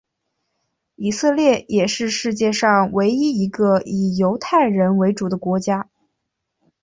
以色列也是世界上唯一一个以犹太人为主的国家。